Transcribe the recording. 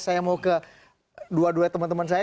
saya mau ke dua dua teman teman saya